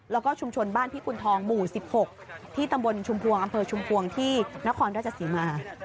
แล้วก็ชุมชนบ้านพิกุณฑองหมู่๑๖ที่ตำบลชุมพวงอำเภอชุมพวงที่นครราชศรีมา